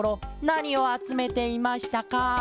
なにをあつめていましたか？